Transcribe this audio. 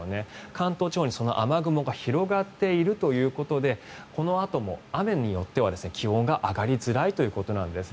関東地方にその雨雲が広がっているということでこのあとも雨によっては気温が上がりづらいということなんです。